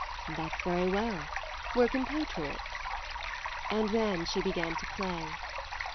"That's very well; we're compatriots." And then she began to play.